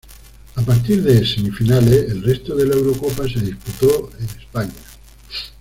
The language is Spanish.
A partir de semifinales, el resto de la Eurocopa se disputó en España.